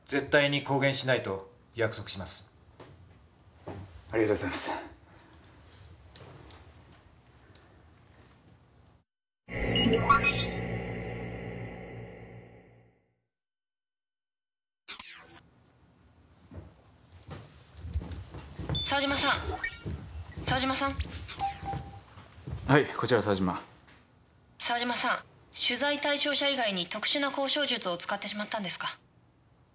沢嶋さん取材対象者以外に特殊な交渉術を使ってしまったんですか。